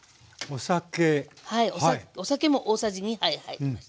はいお酒も大さじ２杯入ります。